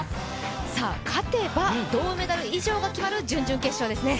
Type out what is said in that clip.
勝てば銅メダル以上が決まる準々決勝ですね。